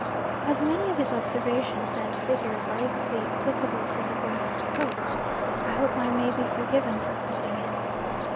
As many of his observations and figures are equally applicable to the West Coast, I hope I may be forgiven for quoting him.